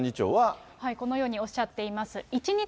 このようにおっしゃっています。